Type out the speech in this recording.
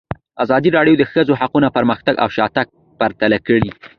ازادي راډیو د د ښځو حقونه پرمختګ او شاتګ پرتله کړی.